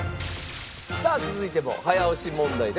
さあ続いても早押し問題です。